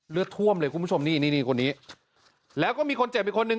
เลือดท่วมเลยคุณผู้ชมนี่นี่คนนี้แล้วก็มีคนเจ็บอีกคนนึง